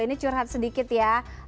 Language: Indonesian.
ini curhat sedikit ya